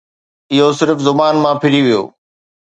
اهو صرف زبان مان ڦري ويو